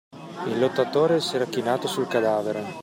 Il Lottatore s'era chinato sul cadavere.